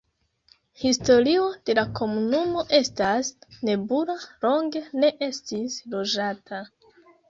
Historio de la komunumo estas nebula, longe ne estis loĝata.